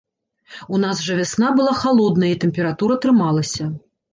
У нас жа вясна была халодная, і тэмпература трымалася.